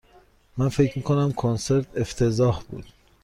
من فکر می کنم کنسرت افتضاح بود.